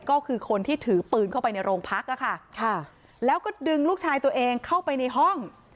ก็คือคนที่ถือปืนเข้าไปในโรงพักอะค่ะแล้วก็ดึงลูกชายตัวเองเข้าไปในห้อง